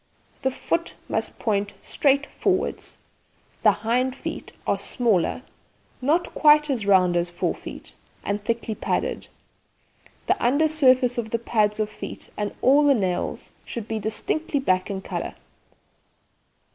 The foot must point straight forward. The hind feet are smaller, not quite as round as fore feet, and thickly padded. The under surface of the pads of feet and all the nails should be distinctly black in colour.